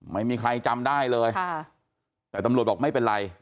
ไม่มีใครจำได้เลยแต่ตำรวจบอกไม่เป็นไร